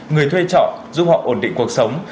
người thuê trọ giúp họ ổn định cuộc sống